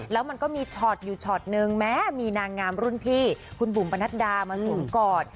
แล้วมันก็มีช็อตอยู่ช็อตนึงแม้มีนางงามรุ่นพี่คุณบุ๋มปนัดดามาสวมกอด